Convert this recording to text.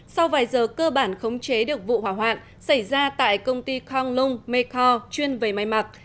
sau vài giờ cơ bản khống chế được vụ hỏa hoạn xảy ra tại công ty konglung mekong chuyên về máy mặt